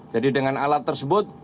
jadi dengan alat tersebut